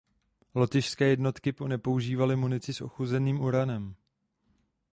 Lotyšské jednotky nepoužívaly munici s ochuzeným uranem.